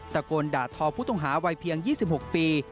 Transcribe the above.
ตะโกนด่าทอผู้ต้องหาวัยเพียงยี่สิบหกปี